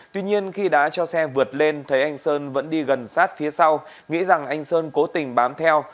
tuy nhiên khi đã cho xe vượt lên thấy anh sơn vẫn đi gần sát phía sau nghĩ rằng anh sơn cố tình bám theo